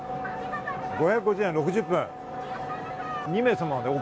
５５０円６０分。